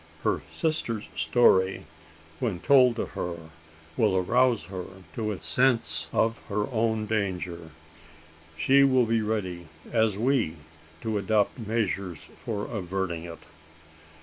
Her sister's story, when told to her, will arouse her to a sense of her own danger. She will be ready, as we, to adopt measures for averting it."